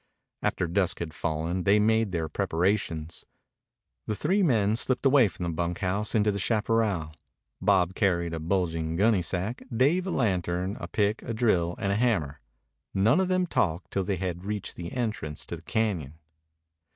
After dusk had fallen they made their preparations. The three men slipped away from the bunkhouse into the chaparral. Bob carried a bulging gunnysack, Dave a lantern, a pick, a drill, and a hammer. None of them talked till they had reached the entrance to the cañon.